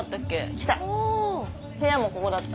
来た部屋もここだった。